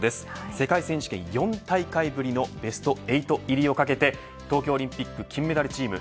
世界選手権４大会ぶりのベスト８入りをかけて東京オリンピック金メダルチーム